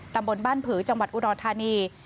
ตำบลบ้านผือจังหวัดอุดรธานี